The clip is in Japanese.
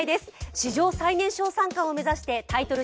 史上最年少三冠を目指してタイトル